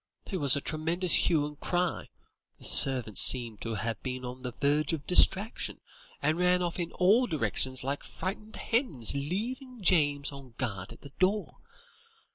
There was a tremendous hue and cry; the servants seem to have been on the verge of distraction, and ran off in all directions like frightened hens, leaving James on guard at the door.